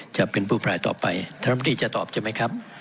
จะเป็นผู้พรายต่อไปท่านรัฐมนตรีจะตอบใช่ไหมครับ